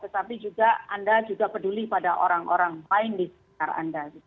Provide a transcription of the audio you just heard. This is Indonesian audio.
tetapi juga anda juga peduli pada orang orang lain di sekitar anda